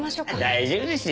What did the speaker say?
大丈夫です。